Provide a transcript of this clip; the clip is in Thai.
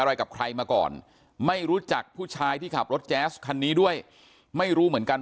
อะไรกับใครมาก่อนไม่รู้จักผู้ชายที่ขับรถแจ๊สคันนี้ด้วยไม่รู้เหมือนกัน